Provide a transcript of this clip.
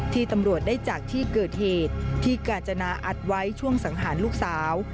ที่ตำรวจได้จากที่เกิดเหตุที่กาญจนาอัดไว้ช่วงสังหารลูกสาว